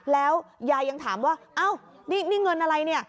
แล้วยายยังถามว่าอ้าวนี่เงินอะไรเนี่ย